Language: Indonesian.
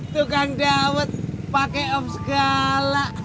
tuh kan dawet pake op segala